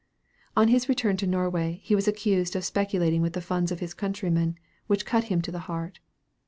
On his return to Norway he was accused of speculating with the funds of his countrymen, which cut him to the heart.